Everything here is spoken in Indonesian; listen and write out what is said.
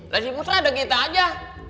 lagi putra ada kita aja